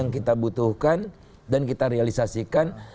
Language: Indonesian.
yang kita butuhkan dan kita realisasikan